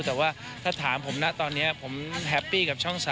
แต่ว่าถ้าถามผมนะตอนนี้ผมแฮปปี้กับช่อง๓